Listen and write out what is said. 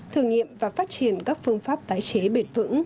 thử nghiệm và phát triển các phương pháp tái chế bền vững